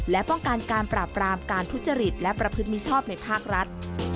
และป้องกันการปราบรามการทุจริตและประพฤติมิชชอบในภาครัฐ